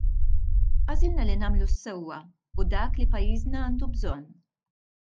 Għażilna li nagħmlu s-sewwa u dak li pajjiżna għandu bżonn.